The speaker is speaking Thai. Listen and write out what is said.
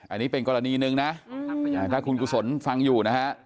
อันนี้เป็นกรณีหนึ่งนะถ้าคุณกุศลฟังอยู่นะฮะ